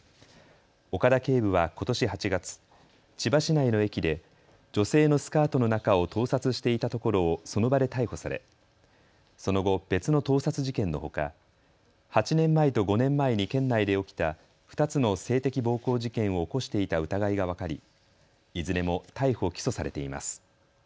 岡田警部はことし８月、千葉市内の駅で女性のスカートの中を盗撮していたところをその場で逮捕されその後、別の盗撮事件のほか、８年前と５年前に県内で起きた２つの性的暴行事件を起こしていた疑いが分かりいずれも逮捕・起訴されています。